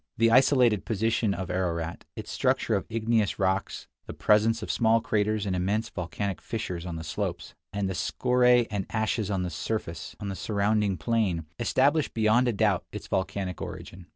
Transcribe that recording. The isolated position of Ararat, its structure of igneous rocks, the presence of small craters and immense volcanic fissures on its slopes, and the scoria? and ashes on the surrounding plain, establish beyond a doubt its volcanic origin.